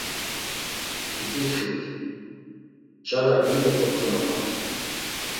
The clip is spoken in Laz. İǩitxit, ç̌arak mu oxotzonapams?